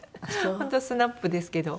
本当スナップですけど。